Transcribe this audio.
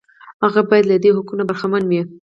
هغه باید له دې حقوقو برخمن وي.